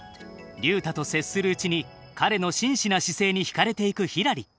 竜太と接するうちに彼のしんしな姿勢に引かれていくひらり。